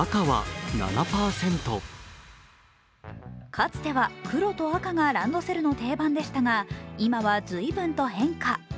かつては黒と赤がランドセルの定番でしたが今は随分と変化。